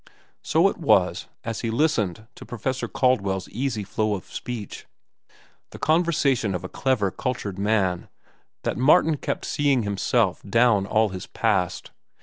So it was, as he listened to Professor Caldwell's easy flow of speech—the conversation of a clever, cultured man—that Martin kept seeing himself down all his past.